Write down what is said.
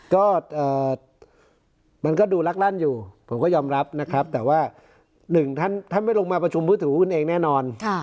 ก็มันก็ดูลักลั่นอยู่ผมก็ยอมรับนะครับแต่ว่าหนึ่งท่านไม่ลงมาประชุมผู้ถือหุ้นเองแน่นอน